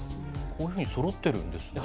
こういうふうにそろってるんですね。